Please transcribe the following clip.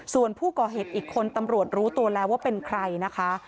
ส่วนผู้ก่อเหตุอีกคนตำรวจรู้ตัวแล้วว่าเป็นใครนะคะ